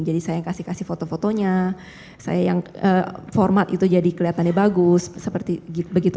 jadi saya yang kasih kasih foto fotonya saya yang format itu jadi kelihatannya bagus seperti begitu